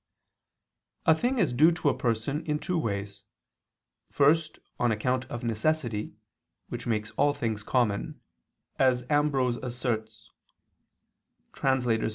A thing is due to a person in two ways. First, on account of necessity, which makes all things common, as Ambrose [*Basil, Serm.